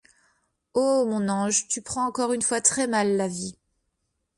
Oh! mon ange, tu prends encore une fois très mal la vie.